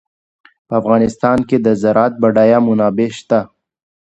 په افغانستان کې د زراعت بډایه منابع شته.